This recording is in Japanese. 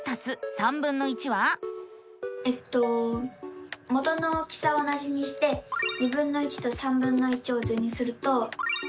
えっと元の大きさは同じにしてとを図にすると。